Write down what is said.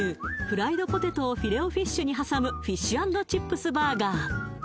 フライドポテトをフィレオフィッシュに挟むフィッシュ＆チップスバーガー